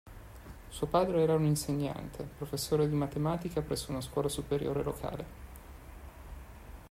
Suo padre era un insegnante, professore di matematica presso una scuola superiore locale.